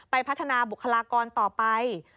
พัฒนาบุคลากรต่อไป